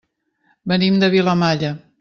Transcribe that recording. Venim de Vilamalla.